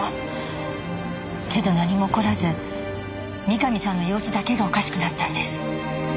けど何も起こらず三上さんの様子だけがおかしくなったんです。